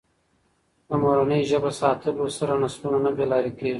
د مورنۍ ژبه ساتلو سره نسلونه نه بې لارې کېږي.